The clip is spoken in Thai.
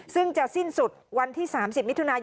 ซึ่งจะสิ้นสุดวันที่๓๐มิถุนายน